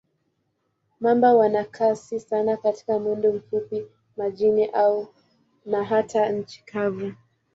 Mamba wana kasi sana katika mwendo mfupi, majini na hata nchi kavu.